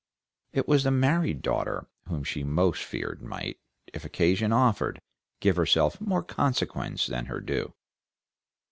It was the married daughter whom she most feared might, if occasion offered, give herself more consequence than her due.